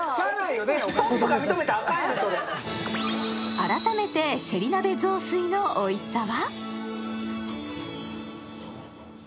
改めて、せり鍋雑炊のおいしさは？